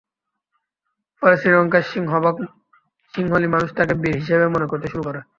ফলে শ্রীলঙ্কার সিংহভাগ সিংহলি মানুষ তাঁকে বীর হিসেবেই মনে করতে শুরু করে।